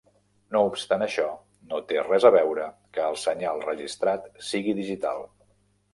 No obstant això, no té res a veure que el senyal registrat sigui digital.